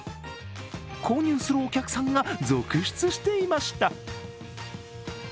購入するお客さんが続出していました。